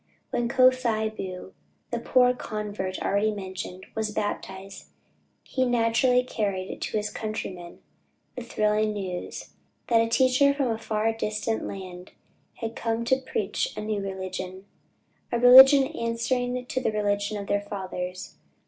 When Ko thay byu, the poor convert already mentioned, was baptized, he naturally carried to his countrymen "the thrilling news, that a teacher from a far distant land had come to preach a new religion, a religion answering to the religion of their fathers."